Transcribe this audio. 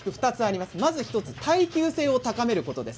まず１つ耐久性を高めることです。